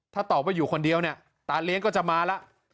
ถ้าตอบว่าอยู่คนเดียวเนี่ยตาเลี้ยงก็จะมาแล้ว